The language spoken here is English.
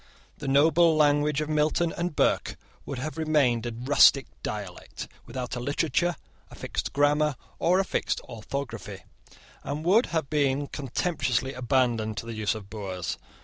The noble language of Milton and Burke would have remained a rustic dialect, without a literature, a fixed grammar, or a fixed orthography, and would have been contemptuously abandoned to the use of boors.